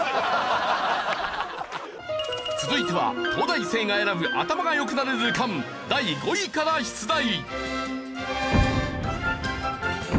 続いては東大生が選ぶ頭が良くなる図鑑第５位から出題。